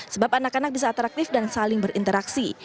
sebab anak anak bisa atraktif dan saling berinteraksi